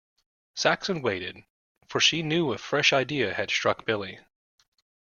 Saxon waited, for she knew a fresh idea had struck Billy.